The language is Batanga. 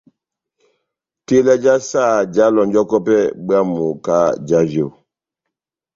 Tela já saha jáhalɔnjɔkɔ pɛhɛ bwámu kahá já vyo.